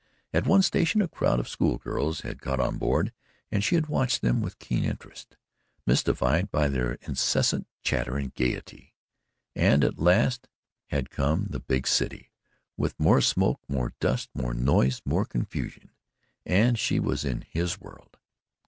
At one station a crowd of school girls had got on board and she had watched them with keen interest, mystified by their incessant chatter and gayety. And at last had come the big city, with more smoke, more dust, more noise, more confusion and she was in HIS world.